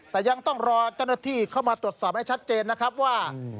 แต่ยังต้องรอเจ้าหน้าที่เข้ามาตรวจสอบให้ชัดเจนนะครับว่า